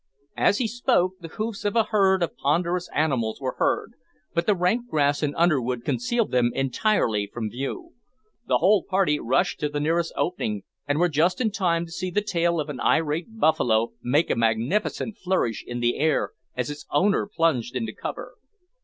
As he spoke, the hoofs of a herd of ponderous animals were heard, but the rank grass and underwood concealed them entirely from view. The whole party rushed to the nearest opening, and were just in time to see the tail of an irate buffalo make a magnificent flourish in the air as its owner plunged into cover.